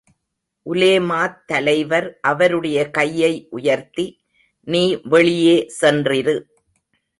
உலேமாத் தலைவர் அவருடைய கையை உயர்த்தி, நீ வெளியே சென்றிரு.